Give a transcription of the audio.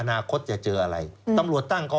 นาคตจะเจออะไรตำรวจตั้งข้อ